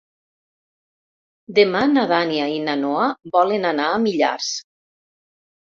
Demà na Nàdia i na Noa volen anar a Millars.